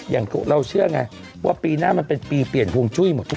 อย่างเราเชื่อไงว่าปีหน้ามันเป็นปีเปลี่ยนฮวงจุ้ยหมดทุก